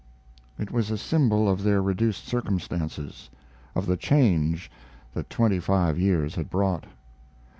It was a symbol of their reduced circumstances of the change that twenty five years had brought.